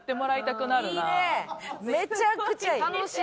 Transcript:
めちゃくちゃいい。